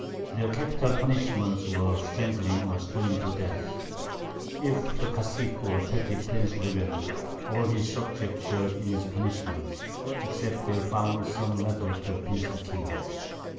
Their capital Punishments were Strangling or Stoning to Death. If a Caicque or petty Prince rebell'd, all his Subjects shar'd in his Punishment, except they found some Method to appease the King.